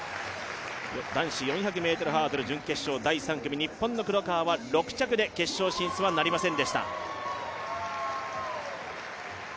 男子４００ｍハードル準決勝、第３組、日本の黒川は６着で決勝進出はなりませんでした